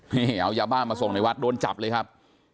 นี่เอายาบ้ามาส่งในวัดโดนจับเลยครับ